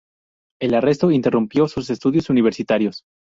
El arresto interrumpió sus estudios universitarios.